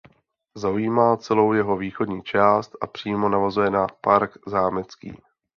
Zaujímá celou jeho východní část a přímo navazuje na park zámecký.